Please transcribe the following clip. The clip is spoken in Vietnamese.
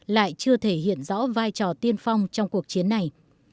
lại chưa thể hiện rõ vai trò tiên phong trong cuộc chiến này